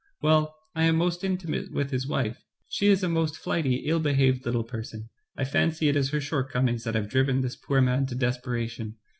"Well, I am most intimate with his wife. She is a most flighty, ill behaved little person. I fancy it is her shortcomings that have driven this poor man to desperation.